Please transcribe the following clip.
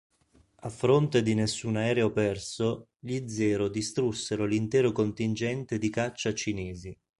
A fronte di nessun aereo perso, gli Zero distrussero l'intero contingente di caccia cinesi.